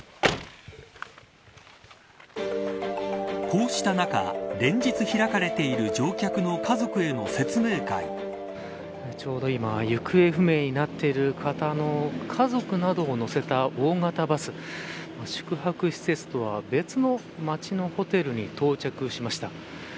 こうした中、連日開かれている乗客の家族へのちょうど今行方不明になっている方の家族などを乗せた大型バス宿泊施設とは別の町のホテルに到着しました。